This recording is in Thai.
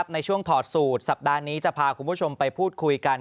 ถอดสูตรสัปดาห์นี้จะพาคุณผู้ชมไปพูดคุยกัน